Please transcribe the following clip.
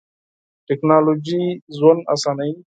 ټیکنالوژی ژوند اسانوی.